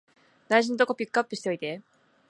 大事なとこピックアップしといて